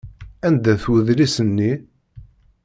Anda-t wedlis-nni?